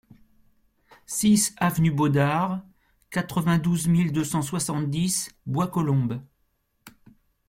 six avenue Baudard, quatre-vingt-douze mille deux cent soixante-dix Bois-Colombes